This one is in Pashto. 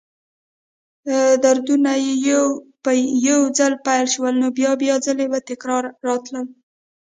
دردونه چې به یو ځل پیل شول، نو بیا بیا ځلې به تکراراً راتلل.